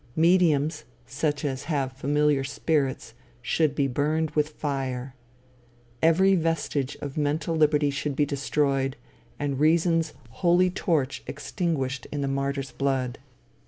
"Mediums," such as have familiar spirits, should be burned with fire. Every vestige of mental liberty should be destroyed, and reason's holy torch extinguished in the martyr's blood.